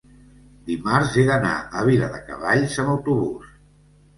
dimarts he d'anar a Viladecavalls amb autobús.